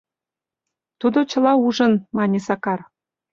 Тудо чыла ужын, — мане Сакар.